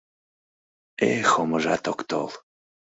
Эх, омыжат ок тол...